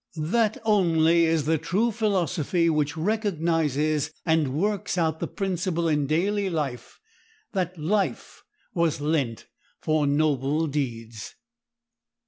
That only is the true philosophy which recognizes and works out the principle in daily life that— "Life was lent for noble deeds."